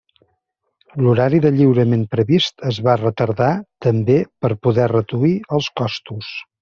L'horari de lliurament previst es va retardar també per poder reduir els costos.